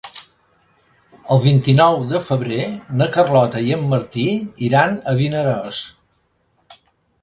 El vint-i-nou de febrer na Carlota i en Martí iran a Vinaròs.